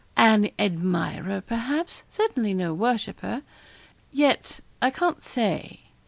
'An admirer, perhaps certainly no worshipper. Yet, I can't say.